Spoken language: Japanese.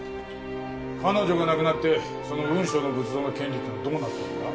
彼女が亡くなってその雲尚の仏像の権利ってのはどうなってるんだ？